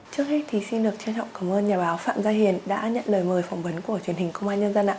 trước hết thì xin được trân trọng cảm ơn nhà báo phạm gia hiền đã nhận lời mời phỏng vấn của truyền hình công an nhân dân ạ